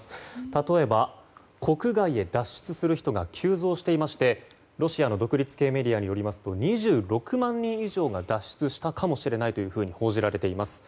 例えば、国外へ脱出する人が急増していましてロシアの独立系メディアによりますと２６万人以上が脱出したかもしれないと報じられています。